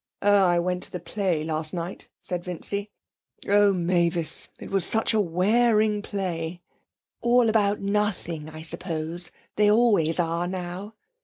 'Oh I went to the play last night,' said Vincy. 'Oh, Mavis, it was such a wearing play.' 'All about nothing, I suppose? They always are, now.'